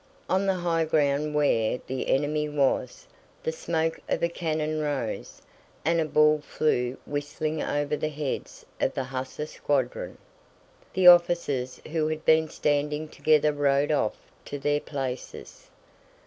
On the high ground where the enemy was, the smoke of a cannon rose, and a ball flew whistling over the heads of the hussar squadron. The officers who had been standing together rode off to their places.